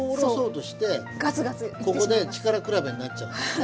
ここで力比べになっちゃうんですね。